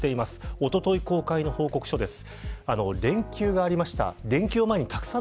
おととい公開の報告書です。